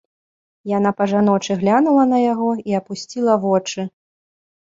Яна па-жаночы глянула на яго і апусціла вочы.